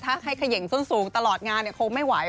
ถ้าให้เขย่งส้นสูงตลอดงานคงไม่ไหว